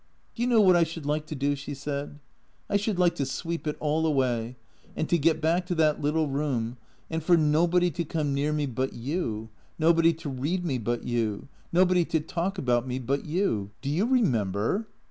" Do you know what I should like to do ?" she said. " I should like to sweep it all away, and to get back to that little room, and for nobody to come near me but you, nobody to read me but you, nobody to talk about me but you. Do you remember